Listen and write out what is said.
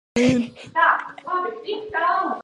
Tas ir vēl viens solis uz priekšu, kas turpina mūsu iesākto.